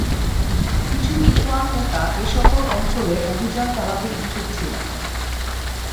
কিছু ইখওয়ান নেতা এসকল অঞ্চলে অভিযান চালাতে ইচ্ছুক ছিলেন।